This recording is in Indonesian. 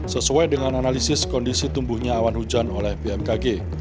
sesuai dengan analisis kondisi tumbuhnya awan hujan oleh bmkg